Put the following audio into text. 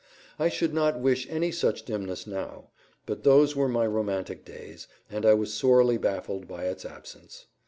I should not wish any such dimness now; but those were my romantic days, and I was sorely baffled by its absence.